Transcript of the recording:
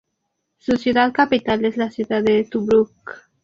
Su ciudad capital es la ciudad de Tobruk.